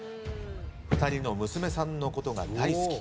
２人の娘さんのことが大好き。